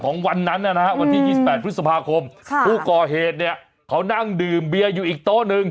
ค่ะผู้ก่อเหตุเนี่ยเขานั่งดื่มเบียร์อยู่อีกโต๊ะนึง